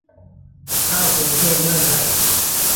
เข้ากรุงเทพเมื่อไหร่